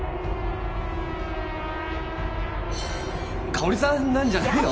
香織さんなんじゃないの？